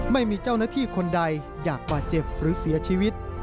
ไม่มีเจ้าหน้าที่คนใดอยากบาดเจ็บหรือเสียชีวิต